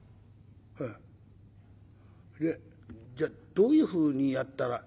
「はあでじゃあどういうふうにやったら」。